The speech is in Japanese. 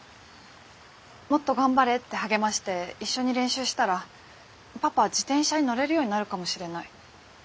もっと頑張れって励まして一緒に練習したらパパ自転車に乗れるようになるかもしれない。